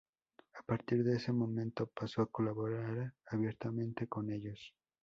A partir de ese momento, pasó a colaborar abiertamente con ellos.